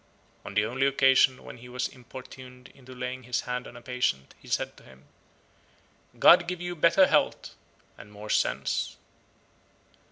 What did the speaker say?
On the only occasion when he was importuned into laying his hand on a patient, he said to him, "God give you better health and more sense."